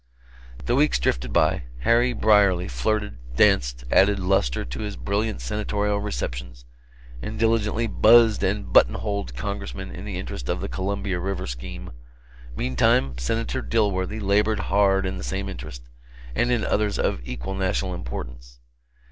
The weeks drifted by; Harry Brierly flirted, danced, added lustre to the brilliant Senatorial receptions, and diligently "buzzed" and "button holed" Congressmen in the interest of the Columbus River scheme; meantime Senator Dilworthy labored hard in the same interest and in others of equal national importance.